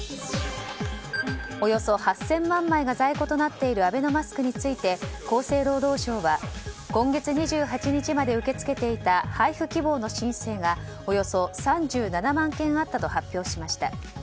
およそ８０００万枚が在庫となっているアベノマスクについて厚生労働省は今月２８日まで受け付けていた配布希望の申請がおよそ３７万件あったと発表しました。